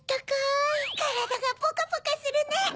からだがポカポカするね！